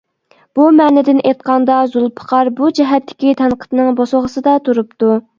بۇ مەنىدىن ئېيتقاندا، زۇلپىقار بۇ جەھەتتىكى تەنقىدنىڭ بوسۇغىسىدا تۇرۇپتۇ.